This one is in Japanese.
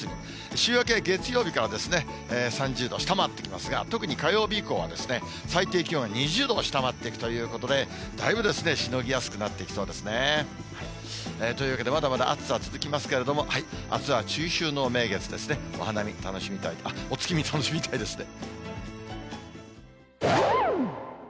週明け、月曜日から、３０度下回ってきますが、特に火曜日以降は、最低気温が２０度を下回っていくということで、だいぶしのぎやすくなってきそうですね。というわけで、まだまだ暑さは続きますけれども、あすは中秋の名月ですね、お花見、あっ、お月見、楽しみたいですね。